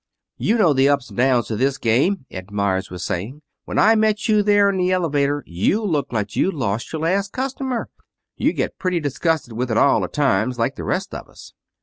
"You know the ups and downs to this game," Ed Meyers was saying. "When I met you there in the elevator you looked like you'd lost your last customer. You get pretty disgusted with it all, at times, like the rest of us."